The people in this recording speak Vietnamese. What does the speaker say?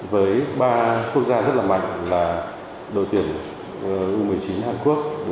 với ba quốc gia rất là mạnh là đội tuyển u một mươi chín hàn quốc đội tuyển u một mươi chín mà rốc và mexico